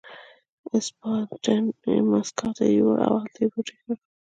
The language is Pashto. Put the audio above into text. اسټپان یې مسکو ته یووړ او هلته یې ټوټې کړ.